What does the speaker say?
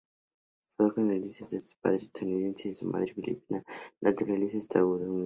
Fake nació en Pittsburgh, de padre estadounidense y de madre filipina naturalizada estadounidense.